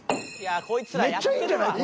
めっちゃいいんじゃない？